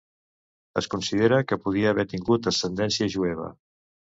Es considera que podia haver tingut ascendència jueva.